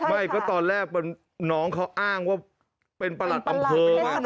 ไม่ก็ตอนแรกน้องเขาอ้างว่าเป็นประหลัดอำเภอ